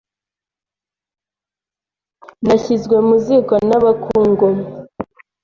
Nashyizwe mu ziko n'abakungomwa